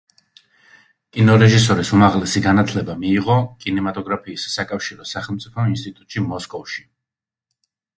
კინორეჟისორის უმაღლესი განათლება მიიღო კინემატოგრაფიის საკავშირო სახელმწიფო ინსტიტუტში, მოსკოვში.